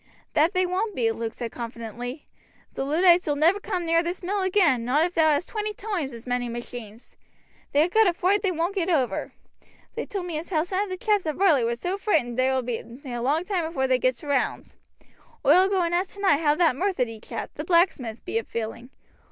"That they won't be," Luke said confidently; "the Luddites ull never come near this mill agin, not if thou hast twenty toimes as many machines. They ha' got a froight they won't get over. They told me as how some of the chaps at Varley was so freighted that they will be a long toime afore they gets round. Oi'll go and ask tonight how that Methurdy chap, the blacksmith, be a feeling.